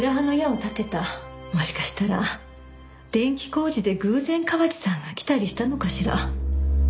もしかしたら電気工事で偶然河内さんが来たりしたのかしら。